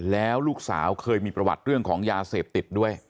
แล้วลูกสาวเคยมีประวัติเรื่องของยาเสพติดด้วย